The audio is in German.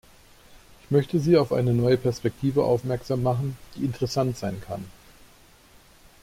Ich möchte Sie auch auf eine neue Perspektive aufmerksam machen, die interessant sein kann.